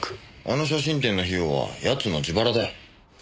あの写真展の費用は奴の自腹だよ。